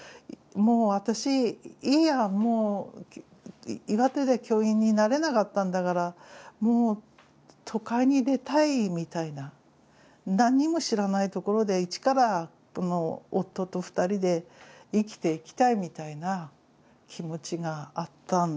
もう私いいやもう岩手で教員になれなかったんだからもう都会に出たいみたいな何も知らないところで一から夫と２人で生きていきたいみたいな気持ちがあったんです。